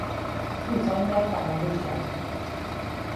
توفان را تحمل کردیم.